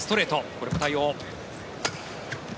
これも対応。